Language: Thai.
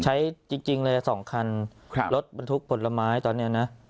ใช้จริงเลยสองคันครับรถบรรทุกผลไม้ตอนนี้นะ